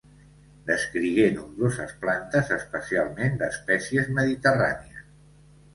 Descrigué nombroses plantes, especialment d'espècies mediterrànies.